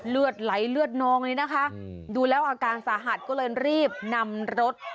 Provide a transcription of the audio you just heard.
เลือดไหลเลือดนองเลยนะคะดูแล้วอาการสาหัสก็เลยรีบนำรถ